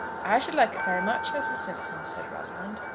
"I should like it very much, Mrs. Simpson," said Rosalind.